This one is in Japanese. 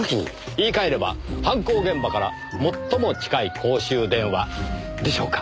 言い換えれば犯行現場から最も近い公衆電話でしょうか。